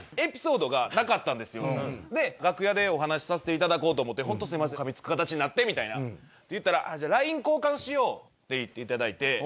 で楽屋でお話しさせていただこうと思って「ホントすいませんかみつく形になって」みたいな言ったら。って言っていただいて。